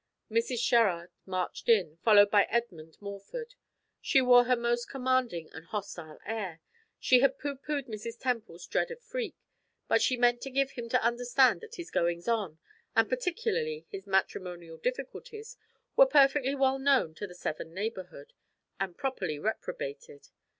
Mrs. Sherrard marched in, followed by Edmund Morford. She wore her most commanding and hostile air. She had pooh poohed Mrs. Temple's dread of Freke, but she meant to give him to understand that his goings on, and particularly his matrimonial difficulties, were perfectly well known in the Severn neighborhood, and properly reprobated.